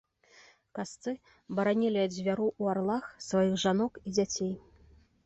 Касцы баранілі ад звяроў у арлах сваіх жанок і дзяцей.